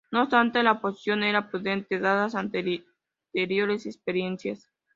No obstante, la oposición era prudente dadas anteriores experiencias.